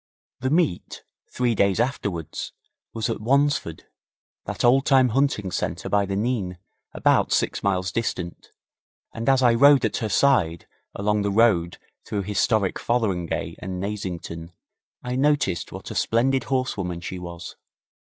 The meet, three days afterwards, was at Wansford, that old time hunting centre by the Nene, about six miles distant, and as I rode at her side along the road through historic Fotheringhay and Nassington, I noticed what a splendid horsewoman she was.